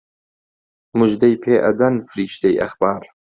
موژدەی پێ ئەدەن فریشتەی ئەخبار